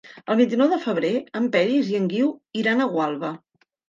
El vint-i-nou de febrer en Peris i en Guiu iran a Gualba.